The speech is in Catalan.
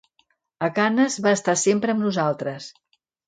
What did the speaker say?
A Cannes va estar sempre amb nosaltres.